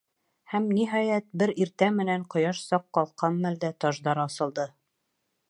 Һәм, ниһайәт, бер иртә менән, ҡояш саҡ ҡалҡҡан мәлдә, таждар асылды.